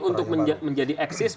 jadi untuk menjadi eksis maka jadilah